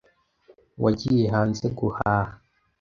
Wagiye hanze guhaha